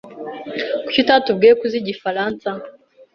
Kuki utatubwiye ko uzi igifaransa?